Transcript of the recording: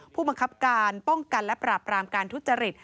ผู้บังคับการป้องกันและปราบรามการทุจริต